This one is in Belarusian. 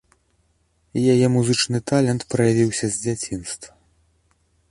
Яе музычны талент праявіўся з дзяцінства.